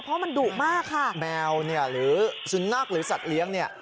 เพราะมันดุมากค่ะแมวเนี่ยหรือสุนัขหรือสัตว์เลี้ยงเนี่ย